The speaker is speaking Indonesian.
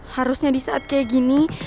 harusnya di saat kayak gini